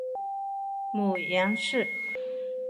母杨氏。